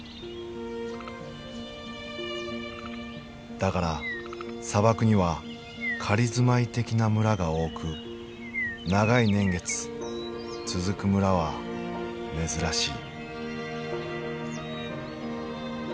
だから砂漠には仮住まい的な村が多く長い年月続く村は珍しい。